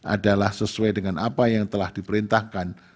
adalah sesuai dengan apa yang telah diperintahkan